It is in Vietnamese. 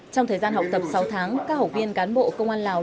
trong thời gian học tập sáu tháng các học viên cán bộ công an lào